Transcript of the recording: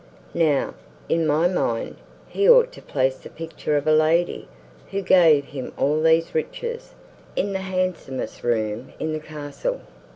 Now, in my mind, he ought to place the picture of a lady, who gave him all these riches, in the handsomest room in the castle.